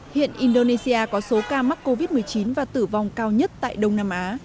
hiện indonesia có số ca mắc covid một mươi chín và tử vong cao nhất tại đông nam á